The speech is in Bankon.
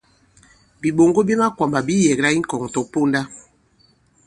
Bìɓoŋgo bi makwàmbà bi yɛ̀kla i ŋkɔ̀ŋ tɔ̀ponda.